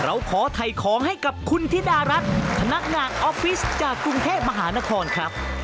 เราขอถ่ายของให้กับคุณธิดารัฐพนักงานออฟฟิศจากกรุงเทพมหานครครับ